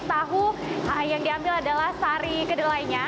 tahu yang diambil adalah sari kedelainya